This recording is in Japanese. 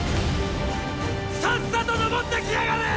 さっさと登って来やがれ！